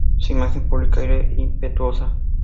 Su imagen pública era impetuosa.